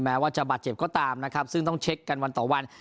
ว่าจะบาดเจ็บก็ตามนะครับซึ่งต้องเช็คกันวันต่อวัน